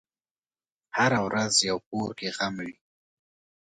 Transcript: هره ورځ یو کور کې غم وي.